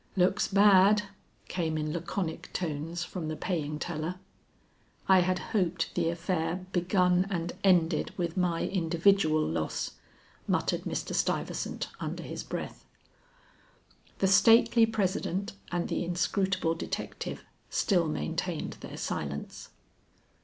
"Looks bad," came in laconic tones from the paying teller. "I had hoped the affair begun and ended with my individual loss," muttered Mr. Stuyvesant under his breath. The stately president and the inscrutable detective still maintained their silence.